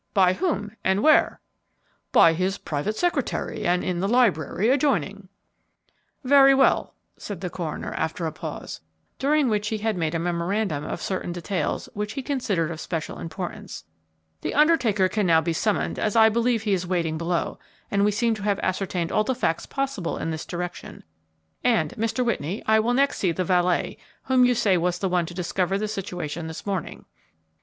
By whom? and where?" "By his private secretary, and in the library adjoining." "Very well," said the coroner, after a pause, during which he had made a memorandum of certain details which he considered of special importance; "the undertaker can now be summoned as I believe he is waiting below, and we seem to have ascertained all the facts possible in this direction; and, Mr. Whitney, I will next see the valet, whom you say was the one to discover the situation this morning."